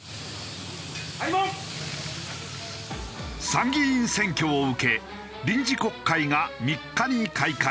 参議院選挙を受け臨時国会が３日に開会。